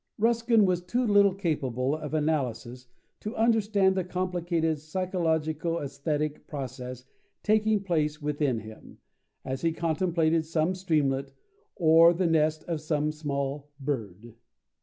Ruskin was too little capable of analysis to understand the complicated psychologico aesthetic process taking place within him, as he contemplated some streamlet, or the nest of some small bird.